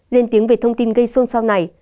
lên tiếng về thông tin gây xuân sau này